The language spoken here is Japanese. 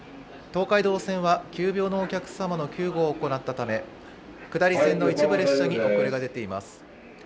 東海道線は急病のお客様の救護を行ったため、下り線の一部列車に遅れが出ています。